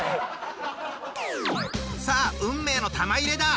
さあ運命の玉入れだ。